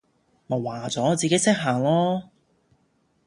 咪話咗我自己識行囉！